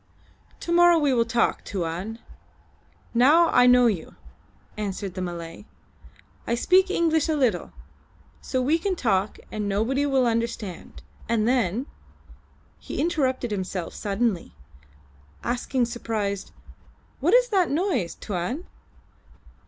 "To morrow we talk, Tuan, now I know you," answered the Malay. "I speak English a little, so we can talk and nobody will understand, and then " He interrupted himself suddenly, asking surprised, "What's that noise, Tuan?"